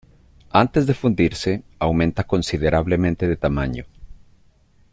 Antes de fundirse aumenta considerablemente de tamaño.